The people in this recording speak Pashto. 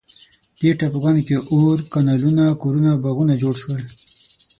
دې ټاپوګانو کې اور، کانالونه، کورونه او باغونه جوړ شول.